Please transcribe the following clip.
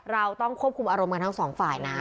เราต้องควบคุมอารมณ์กันทั้งสองฝ่ายนะ